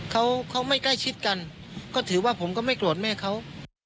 เขาเขาไม่ใกล้ชิดกันก็ถือว่าผมก็ไม่โกรธแม่เขา